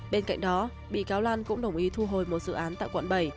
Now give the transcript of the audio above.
bên cạnh đó bị cáo lan cũng đồng ý thu hồi một dự án tại quận bảy